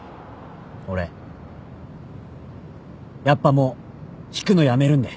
俺やっぱもう引くのやめるんで。